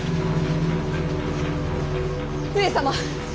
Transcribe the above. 上様。